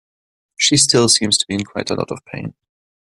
She still seems to be in quite a lot of pain.